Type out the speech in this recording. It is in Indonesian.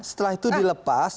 setelah itu dilepas